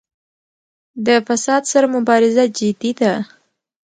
د فساد سره مبارزه جدي ده؟